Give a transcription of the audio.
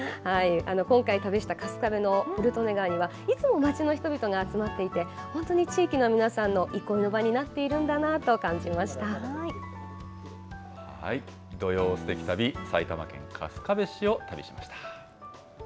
今回旅した春日部の古利根川には、いつも町の人々が集まっていて、本当に地域の皆さんの憩いの場に土曜すてき旅、埼玉県春日部市を旅しました。